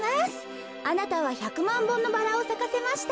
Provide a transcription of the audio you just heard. あなたは１００まんぼんのバラをさかせました。